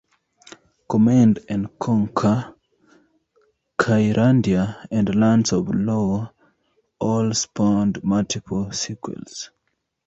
"Command and Conquer", "Kyrandia", and "Lands of Lore" all spawned multiple sequels.